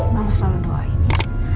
mama selalu doain ya